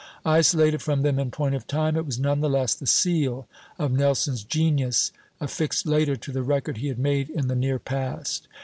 Isolated from them in point of time, it was none the less the seal of Nelson's genius, affixed later to the record he had made in the near past.